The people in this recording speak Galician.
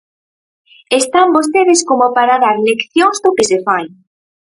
¡Están vostedes como para dar leccións do que se fai!